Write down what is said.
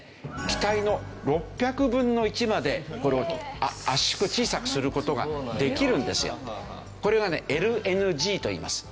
気体の６００分の１までこれを圧縮小さくする事ができるんですよ。これがねＬＮＧといいます。